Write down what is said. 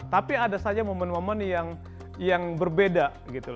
tapi ada saja momen momen yang berbeda gitu